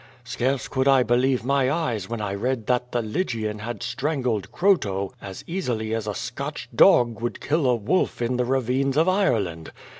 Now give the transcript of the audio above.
Scarce could I believe my eyes when I read that the Lygian had strangled Croto as easily as a Scotch dog would kill a wolf in the ravines of Ireland.